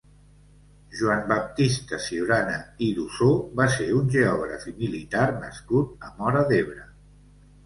Joan Baptista Siurana i d'Ossó va ser un geògraf i militar nascut a Móra d'Ebre.